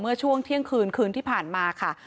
เมื่อช่วงเที่ยงคืนคืนที่ผ่านมาค่ะ